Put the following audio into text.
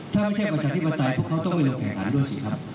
ถ้าไม่ใช่ประชาธิปไตยพวกเขาต้องไปลงแข่งขันด้วยสิครับ